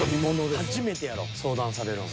初めてやろ相談されるん。